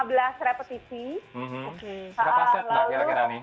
berapa set mbak kira kira nih